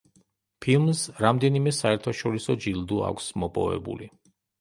ფილმს რამდენიმე საერთაშორისო ჯილდო აქვს მოპოვებული.